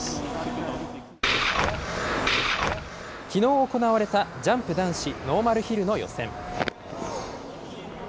きのう行われたジャンプ男子ノーマルヒルの予選。